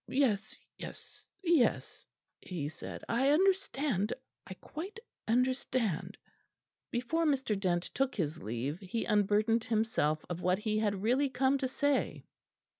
"Yes, yes, yes," he said; "I understand I quite understand." Before Mr. Dent took his leave he unburdened himself of what he had really come to say.